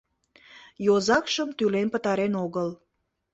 Йозакшым тӱлен пытарен огыл...